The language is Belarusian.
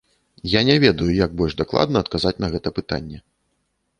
Я не ведаю, як больш дакладна адказаць на гэта пытанне.